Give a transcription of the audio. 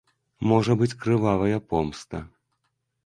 Можа быць крывавая помста.